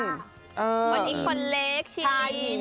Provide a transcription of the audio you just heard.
คนที่สองคือชิลินชาหญิง